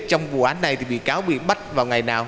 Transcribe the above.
trong vụ án này thì bị cáo bị bắt vào ngày nào